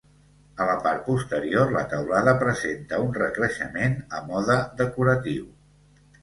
A la part posterior, la teulada presenta un recreixement a mode decoratiu.